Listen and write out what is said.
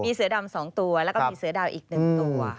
แล้วก็มีเสือดาวอีก๑ตัว